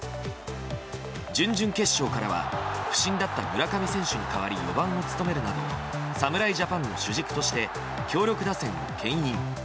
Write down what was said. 準々決勝からは不振だった村上選手に代わり４番を務めるなど侍ジャパンの主軸として強力打線を牽引。